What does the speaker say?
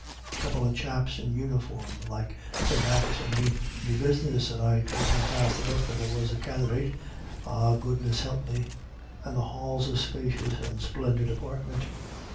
A couple of chaps in uniform like came axin' me me business, but I tould them fast enough that I was a candidate ah, goodness help me.... And the Hall's a spacious and splendid apartment.